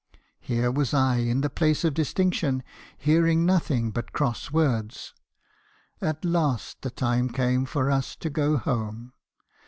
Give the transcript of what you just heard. Here was I in the place of distinction, hearing nothing but cross words. At last the time came for us to go home.